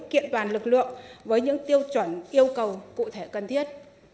kiện toàn lực lượng với những tiêu chuẩn yêu cầu cụ thể cần thiết